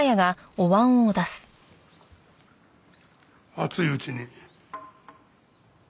熱いうちに。